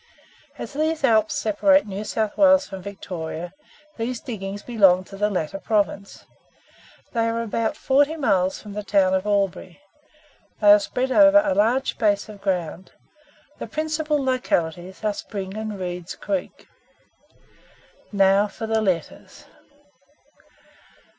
As these Alps separate New South Wales from Victoria, these diggings belong to the latter province. They are about forty miles from the town of Albury. They are spread over a large space of ground. The principal localities are Spring and Reid's Creeks. Now for the letters.